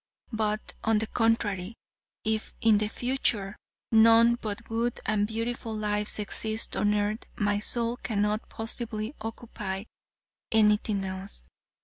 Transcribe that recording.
But, on the contrary, if in the future none but good and beautiful lives exist on earth, my soul cannot possibly occupy anything else.